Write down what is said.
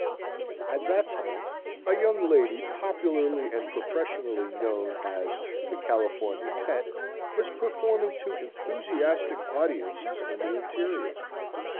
At that time a young lady popularly and professionally known as the "California Pet" was performing to enthusiastic audiences in the interior.